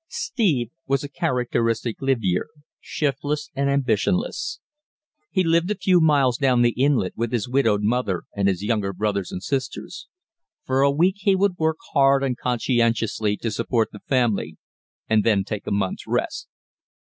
Steve was a characteristic livyere, shiftless and ambitionless. He lived a few miles down the inlet with his widowed mother and his younger brothers and sisters. For a week he would work hard and conscientiously to support the family, and then take a month's rest.